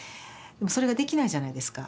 それができないじゃないですか